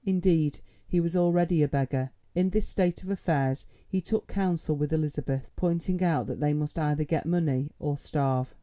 Indeed he was already a beggar. In this state of affairs he took counsel with Elizabeth, pointing out that they must either get money or starve.